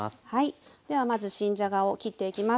ではまず新じゃがを切っていきます。